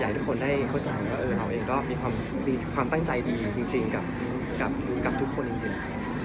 ให้ทุกคนได้เข้าใจว่าเราเองก็มีความตั้งใจดีจริงกับทุกคนจริง